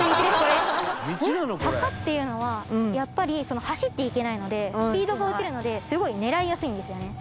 坂っていうのはやっぱり走っていけないのでスピードが落ちるのですごい狙いやすいんですよね。